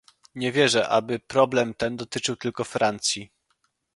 Nie wierzę, aby problem ten dotyczył tylko Francji